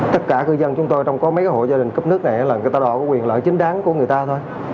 tất cả cư dân chúng tôi trong có mấy cái hộ gia đình cấp nước này là người ta đòi quyền lợi chính đáng của người ta thôi